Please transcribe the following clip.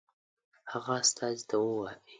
هغه استازي ته ووايي.